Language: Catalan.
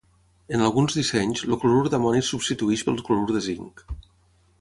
En alguns dissenys, el clorur d'amoni es substitueix pel clorur de zinc.